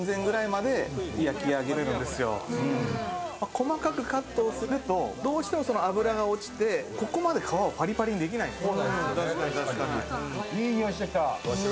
細かくカットをするとどうしても脂が落ちて、ここまで皮をパリパリにできないんです。